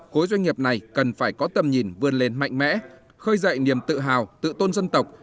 khối doanh nghiệp này cần phải có tầm nhìn vươn lên mạnh mẽ khơi dậy niềm tự hào tự tôn dân tộc